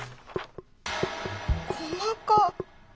細かっ。